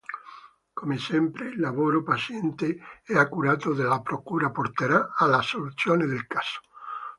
Come sempre il lavoro paziente e accurato della procura porterà alla soluzione del caso.